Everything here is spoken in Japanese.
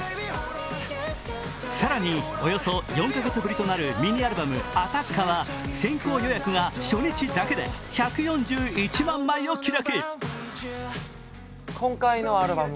更に、およそ４カ月ぶりとなるミニアルバムは先行予約が初日だけで１４１万枚を記録。